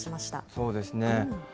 そうですね。